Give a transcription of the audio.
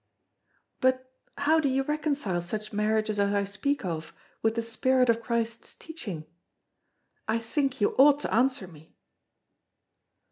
"But how do you reconcile such marriages as I speak of, with the spirit of Christ's teaching? I think you ought to answer me."